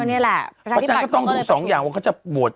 เพราะฉะนั้นก็ต้องดูสองอย่างว่าเขาจะโหวต